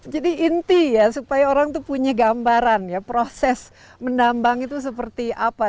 jadi inti ya supaya orang tuh punya gambaran ya proses mendambang itu seperti apa